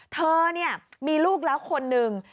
เธอมีลูกแล้วคนหนึ่ง